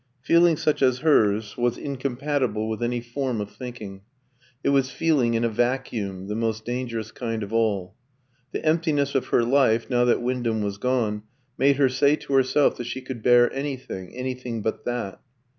Feeling such as hers was incompatible with any form of thinking; it was feeling in a vacuum the most dangerous kind of all. The emptiness of her life, now that Wyndham was gone, made her say to herself that she could bear anything anything but that.